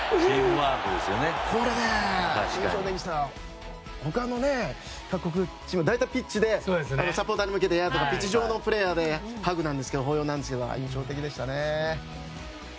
これね、他の各国のチームはピッチ上でサポーターに向けてとかピッチ上のプレーヤーのハグ、抱擁なんですけどこれが印象的でしたね。